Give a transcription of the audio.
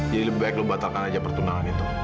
jadi lebih baik lo batalkan aja pertunangan itu